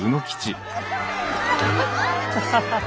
ハハハハ！